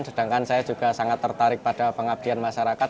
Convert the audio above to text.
sedangkan saya juga sangat tertarik pada pengabdian masyarakat